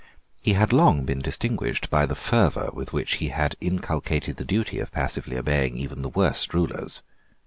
He had been long distinguished by the fervour with which he had inculcated the duty of passively obeying even the worst rulers.